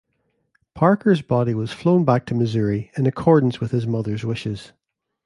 Parker's body was flown back to Missouri, in accordance with his mother's wishes.